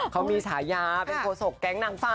เขามีฉายาเป็นโฆษกแก๊งนางฟ้า